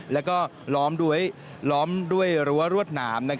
แล้วก็ล้อมด้วยรั้วรวดหนาม